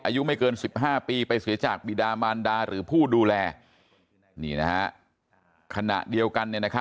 อายุไม่เกิน๑๕ปีไปเสียจากบิดามานดาหรือผู้ดูแลนี่นะฮะขณะเดียวกัน